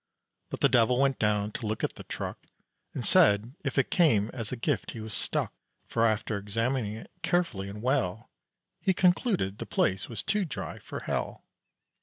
But the devil went down to look at the truck, And said if it came as a gift he was stuck; For after examining it carefully and well He concluded the place was too dry for hell.